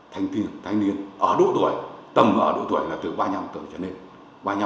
thanh niên ở độ tuổi tầm ở độ tuổi là từ ba mươi năm tuổi trở nên